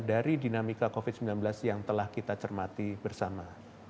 dari dinamika covid sembilan belas yang telah kita cermati bersama